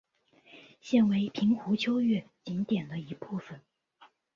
现为平湖秋月景点的一部分。